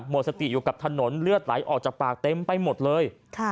หมดสติอยู่กับถนนเลือดไหลออกจากปากเต็มไปหมดเลย